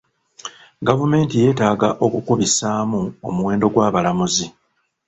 Gavumenti yeetaaga okukubisaamu omuwendo gw'abalamuzi.